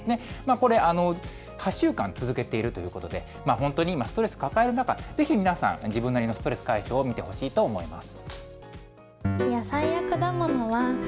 これ、８週間続けているということで、本当に、今、ストレス抱える中、ぜひ皆さん、自分なりのストレス解消を見てほしいと思います。